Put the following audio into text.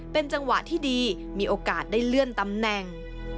เป็นจังหวะที่ดีมีโอกาสได้เลื่อนตำแหน่ง